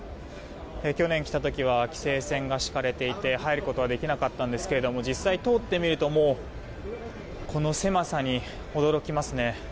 去年来た時は規制線が敷かれていて入ることはできなかったんですが実際、通ってみるとこの狭さに驚きますね。